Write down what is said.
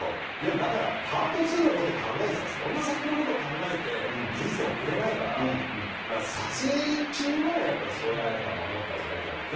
パート２のことを考えてってそんな先のことを考えて人生送れないから撮影中は、それは守ったほうがいいんじゃないかと。